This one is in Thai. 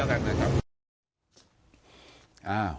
อ๋อก็ยังไม่พูดเหลือครับ